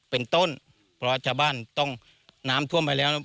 เป็นต้นเพราะชาวบ้านต้องน้ำท่วมไปแล้ว